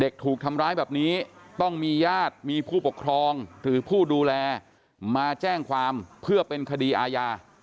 ถูกทำร้ายแบบนี้ต้องมีญาติมีผู้ปกครองหรือผู้ดูแลมาแจ้งความเพื่อเป็นคดีอาญา